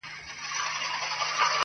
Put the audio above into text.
ته خوږمن او زه خواخوږی خدای پیدا کړم,